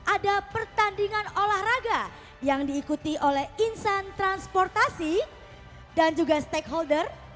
ada pertandingan olahraga yang diikuti oleh insan transportasi dan juga stakeholder